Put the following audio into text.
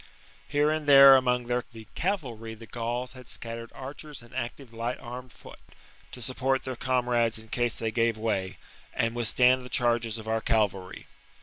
Here and there among their cavalry the Gauls had scattered archers and active light armed foot, to support their comrades in case they gave way, and withstand the charges of our cavalry.